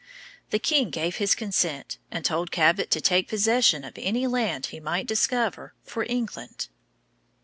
The king gave his consent, and told Cabot to take possession of any land he might discover for England.